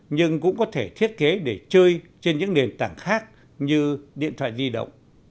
nhưng cũng có thể thiết kế để chơi trên những nền tảng khác như điện thoại di động